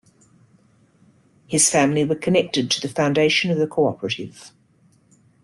His family were connected to the foundation of the co-operative.